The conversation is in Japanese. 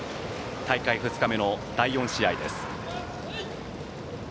大会２日目の第４試合です。